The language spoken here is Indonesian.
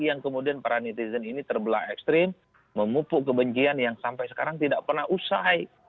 yang kemudian para netizen ini terbelah ekstrim memupuk kebencian yang sampai sekarang tidak pernah usai